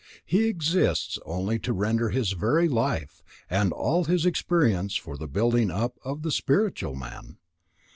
He exists only to render his very life and all his experience for the building up of the spiritual man.